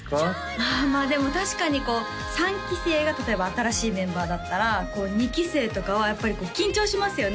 ああまあでも確かに３期生が例えば新しいメンバーだったら２期生とかはやっぱり緊張しますよね